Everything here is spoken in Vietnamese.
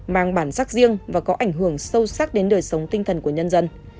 mang bản sắc riêng và có ảnh hưởng sâu sắc đến đời sống tinh thần của nhân dân